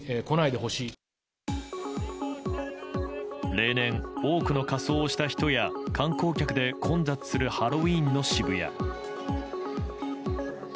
例年、多くの仮装した人や観光客で混雑するハロウィーンの渋谷。